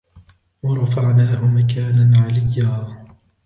ورفعناه مكانا عليا